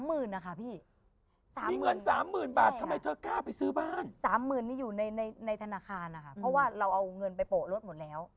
ซื้อบ้านสามหมื่นนี่อยู่ในในในธนาคารอ่ะค่ะเพราะว่าเราเอาเงินไปโปะรถหมดแล้ว